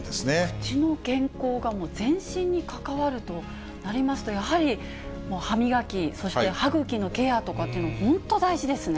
口の健康が全身に関わるとなりますと、やはり歯磨き、そして歯茎のケアとかっていうのが本当、大事ですね。